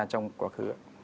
trong quá khứ ạ